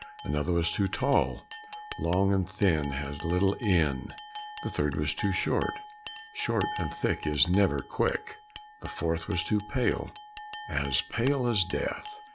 Another was too tall, "Long and thin has little in." The third was too short, "Short and thick is never quick." The fourth was too pale, "As pale as death."